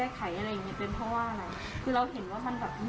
การเปลี่ยนใส่อืมแก้ไขอะไรอย่างงี้เป็นเพราะว่าอะไร